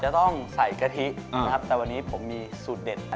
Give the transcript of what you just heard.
จะต้องใส่กะทินะครับแต่วันนี้ผมมีสูตรเด็ด